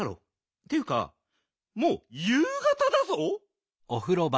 っていうかもう夕がただぞ。